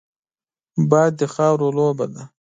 باد د خاورو لوبه ده